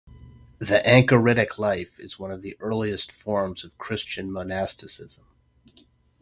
The anchoritic life is one of the earliest forms of Christian monasticism.